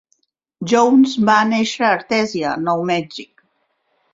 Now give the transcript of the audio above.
Jones va néixer a Artesia, Nou Mèxic.